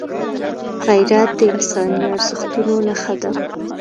غیرت د انساني ارزښتونو نښه ده